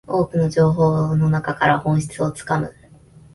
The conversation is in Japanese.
多くの情報の中から本質をつかむ